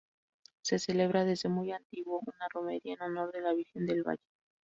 Se celebra desde muy antiguo una romería en honor de la Virgen del Valle.